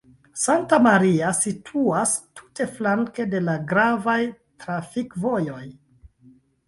Santa Maria situas tute flanke de la gravaj trafikvojoj.